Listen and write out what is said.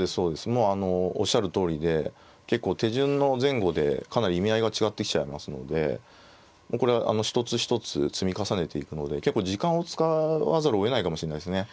もうあのおっしゃるとおりで結構手順の前後でかなり意味合いが違ってきちゃいますのでこれはあの一つ一つ積み重ねていくので結構時間を使わざるをえないかもしれないですね。